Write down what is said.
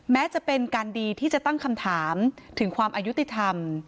แม้จะเป็นการดีที่จะตั้งคำถามถึงความอายุติธรรม